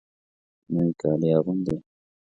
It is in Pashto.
نوي کالي اغوندې